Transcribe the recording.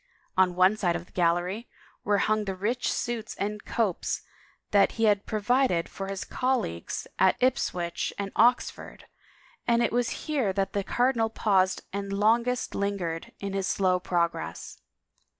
On one side of the gallery were hung the rich suits and copes that he had provided for his colleges at 207 THE FAVOR OF KINGS Ipswich and Oxford and it was here that the cardinal paused and the longest lingered in his slow progress.